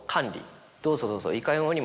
「どうぞどうぞ」。